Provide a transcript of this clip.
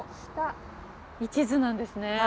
一途なんですね。